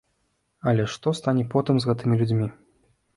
Але што стане потым з гэтымі людзьмі?